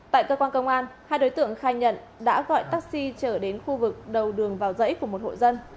tại cơ quan công an hai đối tượng khai nhận đã gọi taxi trở đến khu vực đầu đường vào dãy của một hộ dân